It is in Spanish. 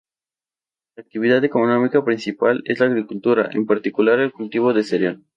La actividad económica principal es la agricultura, en particular el cultivo de cereal.